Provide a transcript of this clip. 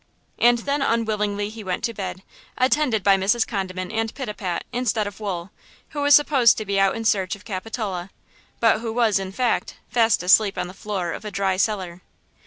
And then unwillingly he went to bed, attended by Mrs. Condiment and Pitapat instead of Wool, who was supposed to be out in search of Capitola, but who was, in fact, fast asleep on the floor of a dry cellar.